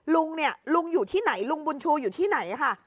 ลุงเนี่ยลุงอยู่ที่ไหนลุงบุญชูอยู่ที่ไหนค่ะ